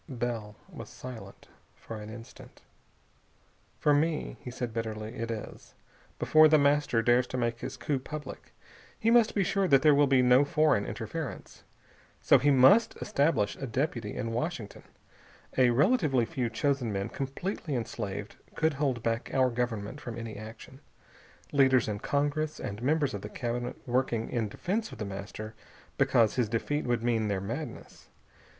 Bell was silent for an instant. "For me," he said bitterly, "it is. Before The Master dares to make his coup public, he must be sure that there will be no foreign interference. So, he must establish a deputy in Washington. A relatively few chosen men, completely enslaved, could hold back our Government from any action. Leaders in Congress, and members of the Cabinet, working, in defense of The Master because his defeat would mean their madness....